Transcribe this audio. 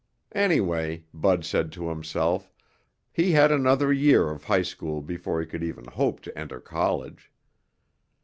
Anyway, Bud said to himself, he had another year of high school before he could even hope to enter college.